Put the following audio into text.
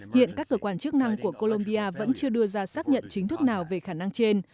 hiện các cơ quan chức năng của colombia vẫn chưa đưa ra xác nhận chính thức nào về khả năng trên